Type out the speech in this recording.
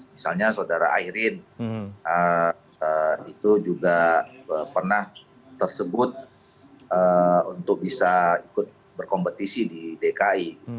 misalnya saudara airin itu juga pernah tersebut untuk bisa ikut berkompetisi di dki